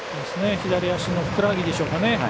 左足のふくらはぎでしょうか。